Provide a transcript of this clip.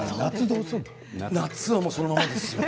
夏はそのままですよ。